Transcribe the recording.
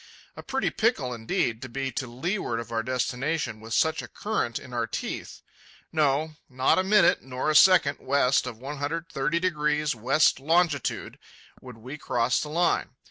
A pretty pickle, indeed, to be to leeward of our destination with such a current in our teeth. No; not a minute, nor a second, west of 130° west longitude would we cross the Line.